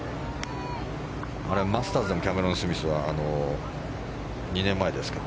マスターズでもキャメロン・スミスは２年前ですか。